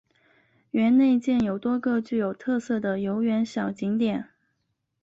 园内建有多个具有特色的游园小景点。